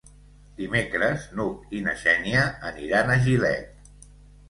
Dimecres n'Hug i na Xènia aniran a Gilet.